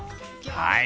はい。